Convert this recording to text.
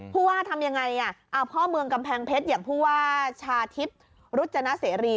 ว่าทำยังไงพ่อเมืองกำแพงเพชรอย่างผู้ว่าชาทิพย์รุจนเสรี